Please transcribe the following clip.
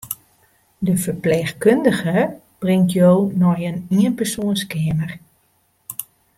De ferpleechkundige bringt jo nei in ienpersoanskeamer.